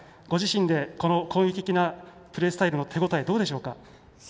ご自身でこの攻撃的なプレースタイルの手応えどうでしょうか？